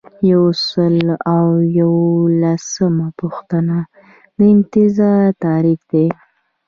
یو سل او یوولسمه پوښتنه د انتظار تعریف دی.